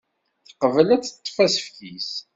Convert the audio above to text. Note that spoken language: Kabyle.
Teqbel ad teṭṭef asefk-is.